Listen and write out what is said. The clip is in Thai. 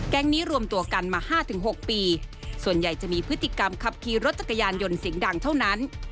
นี้รวมตัวกันมา๕๖ปีส่วนใหญ่จะมีพฤติกรรมขับขี่รถจักรยานยนต์เสียงดังเท่านั้น